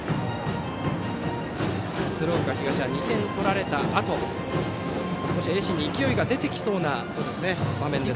鶴岡東は２点取られたあと少し盈進に勢いが出てきそうな場面です。